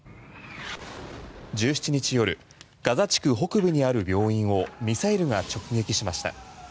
１７日夜ガザ地区北部にある病院をミサイルが直撃しました。